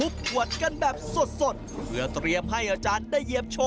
เพื่อ